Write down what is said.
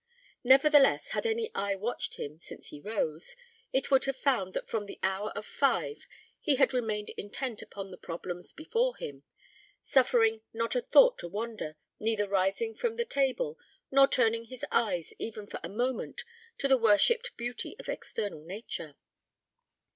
Nevertheless, had any eye watched him since he rose, it would have found that from the hour of five he had remained intent upon the problems before him, suffering not a thought to wander, neither rising from the table, nor turning his eyes even for a moment to the worshipped beauty of external nature.